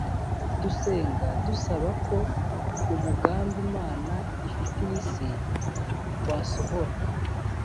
dusenga dusaba ko umugambi imana ifitiye isi wasohora